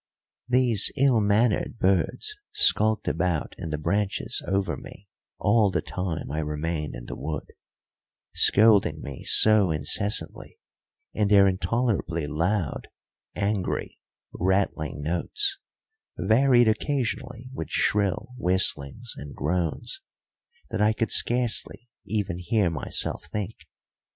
These ill mannered birds skulked about in the branches over me all the time I remained in the wood, scolding me so incessantly in their intolerably loud, angry, rattling notes, varied occasionally with shrill whistlings and groans, that I could scarcely even hear myself think.